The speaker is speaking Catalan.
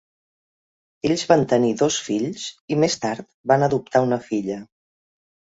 Ells van tenir dos fills i més tard van adoptar una filla.